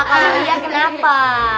kalau iya kenapa